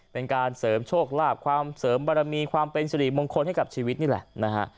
เป็นการเสริมโชคลาภความเสริมบารมีความเป็นสิริมงคลให้กับชีวิตนี่แหละนะฮะ